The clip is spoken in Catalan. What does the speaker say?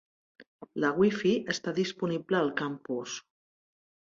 La wifi està disponible al campus.